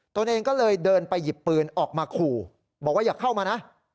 ตัวเองก็เลยเดินไปหยิบปืนออกมาขู่บอกว่าอย่าเข้ามานะ